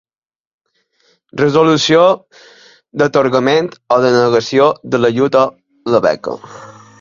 Resolució d'atorgament o denegació de l'ajut o la beca.